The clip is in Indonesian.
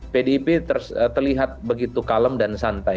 pdip terlihat begitu kalem dan santai